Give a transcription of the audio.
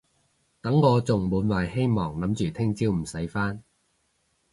等我仲滿懷希望諗住聽朝唔使返